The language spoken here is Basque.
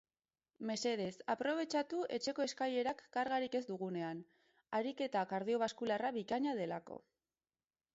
Mesedez, aprobetxatu etxeko eskailerak kargarik ez dugunean, ariketa kardiobaskular bikaina delako.